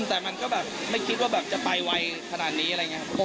แต่มันก็แบบไม่คิดว่าแบบจะไปไวขนาดนี้อะไรอย่างนี้ครับ